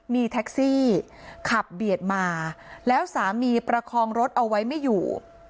มีแท็กซี่ขับเบียดมาแล้วสามีประคองรถเอาไว้ไม่อยู่